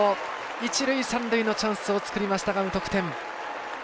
一塁三塁のチャンスを作りましたが無得点。